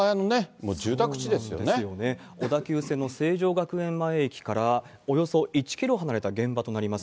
小田急線の成城学園前駅から、およそ１キロ離れた現場となります。